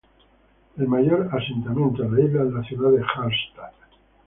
El mayor asentamiento en la isla es la ciudad de Harstad.